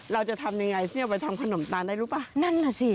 เราจะทำยังไงเสี้ยวไปทำขนมตาลได้รู้ป่ะนั่นน่ะสิ